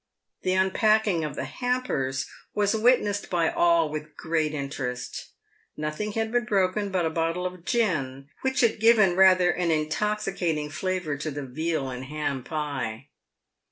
The unpacking of the hampers was witnessed by all with great in terest. Nothing had been broken but a bottle of gin, which had given rather an intoxicating flavour to the veal and ham pie.